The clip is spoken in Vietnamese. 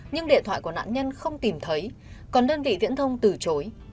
nhưng điện thoại của nạn nhân không tìm thấy còn đơn vị viễn thông từ chối